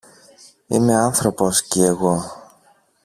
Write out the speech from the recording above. Είμαι άνθρωπος κι εγώ!